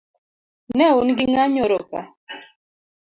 Neun gi ng'a nyoro ka